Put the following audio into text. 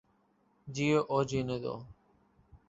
جیو اور جینے دو